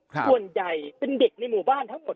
ส่วนใหญ่เป็นเด็กในหมู่บ้านทั้งหมด